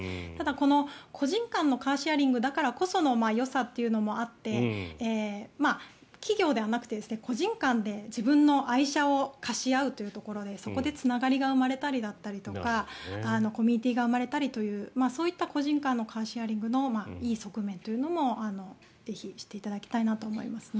ただ、個人間のカーシェアリングだからこそのよさというのもあって企業ではなくて個人間で自分の愛車を貸し合うというところでそこでつながりが生まれたりコミュニティーが生まれたりという個人間のカーシェアリングのいい側面というのもぜひ知っていただきたいなと思いますね。